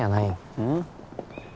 うん？